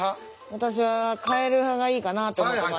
私は変える派がいいかなと思ってます。